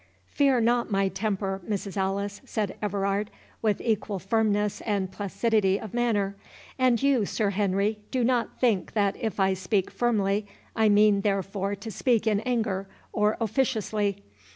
"Fear not my temper, Mrs. Alice," said Everard, with equal firmness and placidity of manner; "and you, Sir Henry, do not think that if I speak firmly, I mean therefore to speak in anger, or officiously.